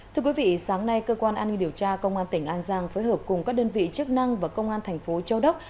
thưa quý vị sáng nay cơ quan an ninh điều tra công an tỉnh an giang phối hợp cùng các đơn vị chức năng và công an thành phố châu đốc